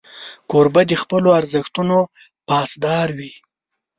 کوربه د خپلو ارزښتونو پاسدار وي.